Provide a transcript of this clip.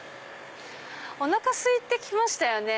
おなかすいて来ましたよね。